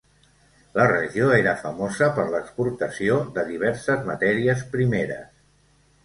La regió era famosa per l'exportació de diverses matèries primeres.